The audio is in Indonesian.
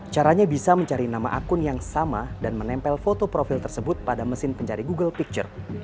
caranya bisa mencari nama akun yang sama dan menempel foto profil tersebut pada mesin pencari google picture